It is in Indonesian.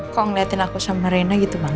kok ngeliatin aku sama reina gitu banget